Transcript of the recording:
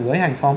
với hành xóm